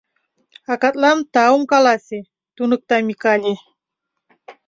Акатлан таум каласе, — туныкта Микале.